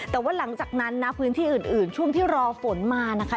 แต่ว่าหลังจากนั้นนะพื้นที่อื่นช่วงที่รอฝนมานะคะ